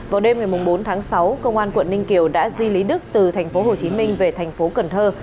vào đêm ngày bốn tháng sáu công an quận ninh kiều đã di lý đức từ thành phố hồ chí minh về thành phố cần thơ